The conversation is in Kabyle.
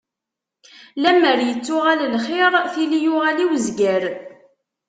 Lemmer ittuɣal lxiṛ, tili yuɣal i uzger.